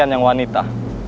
kalian yang wanita